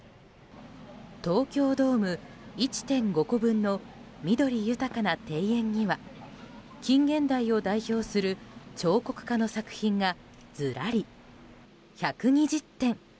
東京ドーム１．５個分の緑豊かな庭園には近現代を代表する彫刻家の作品がずらり、１２０点。